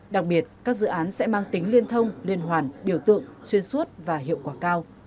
đặc biệt các dự án sẽ mang tính liên thông liên hoàn biểu tượng xuyên suốt và hiệu quả cao